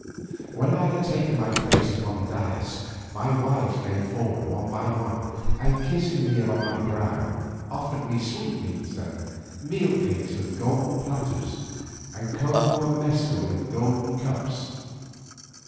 When I had taken my place upon the dais, my wives came forward one by one, and kissing me on the brow, offered me sweetmeats and meal cakes in golden platters, and cocoa and mescal in golden cups.